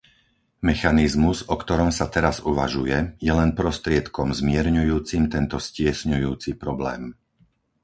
Mechanizmus, o ktorom sa teraz uvažuje, je len prostriedkom zmierňujúcim tento stiesňujúci problém.